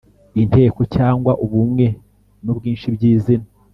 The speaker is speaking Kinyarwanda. inteko cyangwa ubumwe n’ubwinshi by’izina.